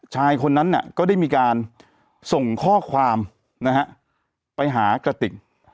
ชายคนนั้นก็ได้มีการส่งข้อความนะฮะไปหากระติก